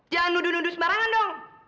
jangan nuduh nuduh sembarangan dong